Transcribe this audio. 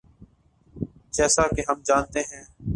جیسا کہ ہم جانتے ہیں۔